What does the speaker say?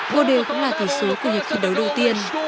cô đều cũng là thủ số của nhiệm khuyến đấu đầu tiên